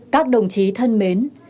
các đồng chí thân mến